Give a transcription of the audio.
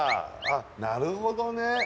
あっなるほどね